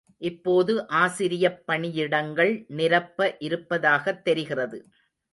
இப்போது ஆசிரியப் பணியிடங்கள் நிரப்ப இருப்பதாகத் தெரிகிறது.